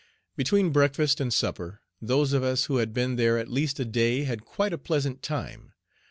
Between breakfast and supper those of us who had been there at least a day had quite a pleasant time.